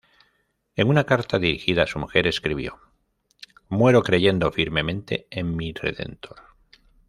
En una carta dirigida a su mujer, escribió: "Muero creyendo firmemente en mi Redentor".